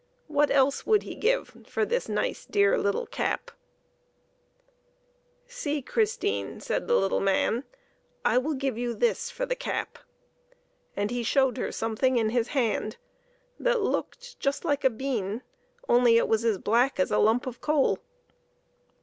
What else would he give for this nice, dear little cap ? "See, Christine," said the little man, " I will give you this for the cap;" and he showed her something in his hand that looked just like a bean, only it was as black as a lump of coal.